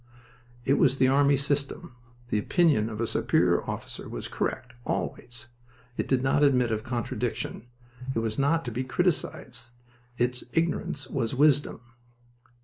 It was the army system. The opinion of a superior officer was correct, always. It did not admit of contradiction. It was not to be criticized. Its ignorance was wisdom.